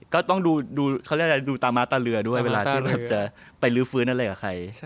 ก็ต้องดูตาม้าตาเรือด้วยเวลาที่จะไปรื้อฟื้นอะไรกับใคร